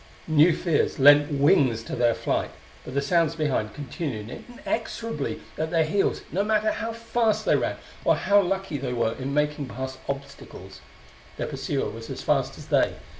New fears lent wings to their flight, but the sounds behind continued inexorably at their heels no matter how fast they ran or how lucky they were in making past obstacles. Their pursuer was as fast as they.